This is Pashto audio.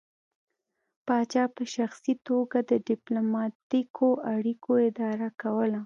پاچا په شخصي توګه د ډیپلوماتیکو اړیکو اداره کوله